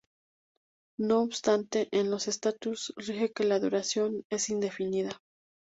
No obstante, en los estatutos rige que la duración es indefinida.